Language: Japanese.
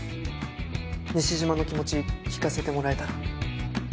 西島の気持ち聞かせてもらえたら。